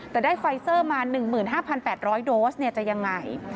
แต่ได้ไฟเซอร์มา๑๕๘๐๐โดสจะยังไง